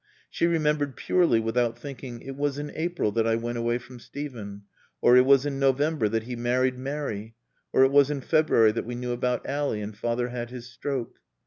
She remembered purely, without thinking, "It was in April that I went away from Steven," or, "It was in November that he married Mary," or "It was in February that we knew about Ally, and Father had his stroke."